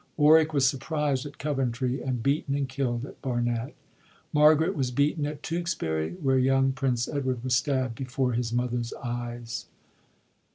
Warwick was surprised at Coventry, and beaten and killd at Barnet. Margaret wa43 beaten at Tewkesbury, where young Prince Edward was stabd before his mother's eyes.